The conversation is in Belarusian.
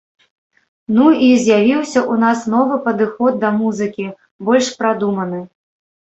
Ну і з'явіўся ў нас новы падыход да музыкі, больш прадуманы.